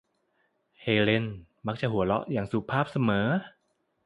เฮเลนมักจะหัวเราะอย่างสุภาพเสมอ